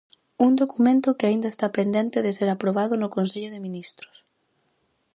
Un documento que aínda está pendente de ser aprobado no Consello de Ministros.